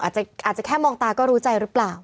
อาจจะแค่มองตาก็รู้ใจหรือเปล่า